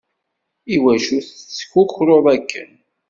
Iwacu tettkukruḍ akken?